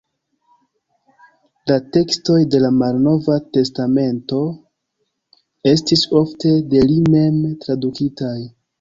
La tekstoj de la Malnova Testamento estis ofte de li mem tradukitaj.